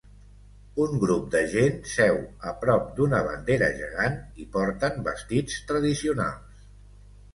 Un grup de gent seu a prop d'una bandera gegant i porten vestits tradicionals